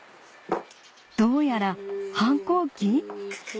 どうやら反抗期？